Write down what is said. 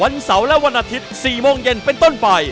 เสาร์และวันอาทิตย์๔โมงเย็นเป็นต้นไป